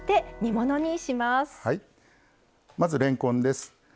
まずれんこんです。